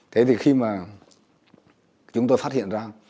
thế thì khi mà chúng tôi phát hiện ra